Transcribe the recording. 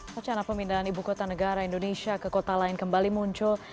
rencana pemindahan ibu kota negara indonesia ke kota lain kembali muncul